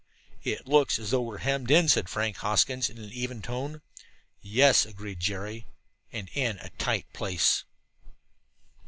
"It looks as though we were hemmed in," said Frank Hoskins in an even tone. "Yes," agreed Jerry, "and in a tight place."